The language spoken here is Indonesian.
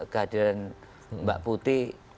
kehadiran mbak putih